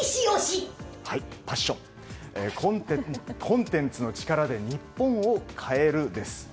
コンテンツの力で日本を変えるです。